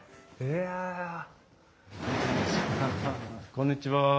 こんにちは。